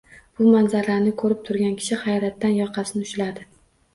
Bu manzarani koʻrib turgan kishi hayratdan yoqasini ushladi